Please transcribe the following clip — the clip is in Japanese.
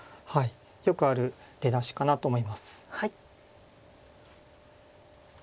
よくある出だしかなと思います。